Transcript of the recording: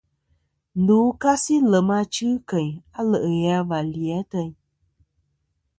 Ndu kasi lem achɨ keyn alè' ghè a và li lì ateyn.